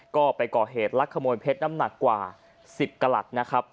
ก็ไปก่อเหตุลักขโมยเพชรน้ำหนักกว่า๑๐กระหลัดนะครับ